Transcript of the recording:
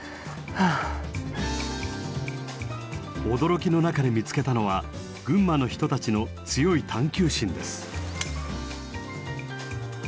驚きの中で見つけたのは群馬の人たちの強い探求心です。